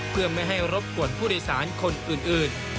เพื่อไม่ให้รบกวนผู้โดยสารคนอื่น